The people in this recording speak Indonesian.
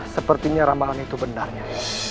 sepertinya ramalan itu benarnya